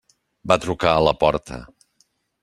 Va trucar a la porta.